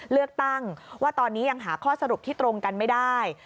เลือกตั้งว่าตอนนี้ยังหาข้อสรุปที่ตรงกันไม่ได้